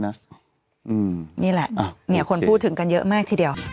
นี่แหละคนพูดถึงกันเยอะมากทีเดียว